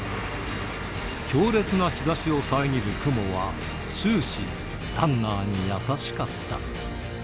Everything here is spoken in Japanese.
強烈な日ざしを遮る雲は、終始ランナーに優しかった。